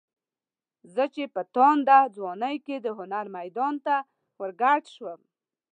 زه چې په تانده ځوانۍ کې د هنر میدان ته ورګډ شوم.